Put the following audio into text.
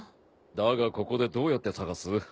だがここでどうやって探す？